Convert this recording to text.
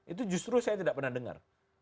itu justru saya tidak pernah dengar